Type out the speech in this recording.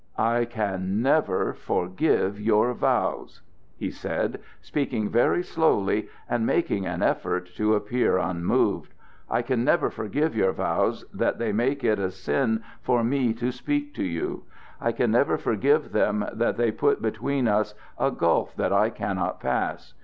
"I can never forgive your vows," he said, speaking very slowly and making an effort to appear unmoved. "I can never forgive your vows that they make it a sin for me to speak to you. I can never forgive them that they put between us a gulf that I cannot pass.